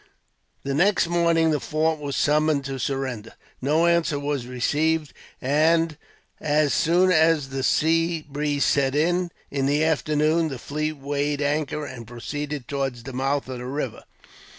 The next morning, the fort was summoned to surrender. No answer was received, and as soon as the sea breeze set in, in the afternoon, the fleet weighed anchor and proceeded towards the mouth of the river.